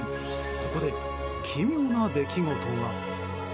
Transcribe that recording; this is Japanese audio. ここで奇妙な出来事が。